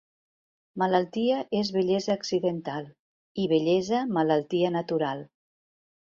Malaltia és vellesa accidental i vellesa malaltia natural.